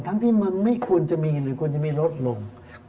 ที่มึงไม่ควรจะมีหรือควรจะมีลดลง